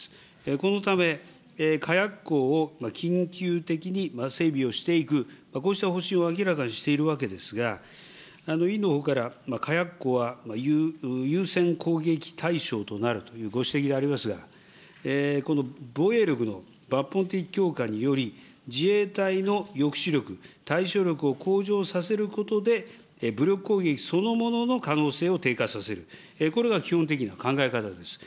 このため、火薬庫を緊急的に整備をしていく、こうした方針を明らかにしているわけですが、委員のほうから火薬庫は優先攻撃対象となるというご指摘がありますが、この防衛力の抜本的強化により、自衛隊の抑止力、対処力を向上させることで、武力攻撃そのものの可能性を低下させる、これは基本的な考え方です。